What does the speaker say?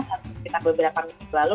sekitar beberapa minggu lalu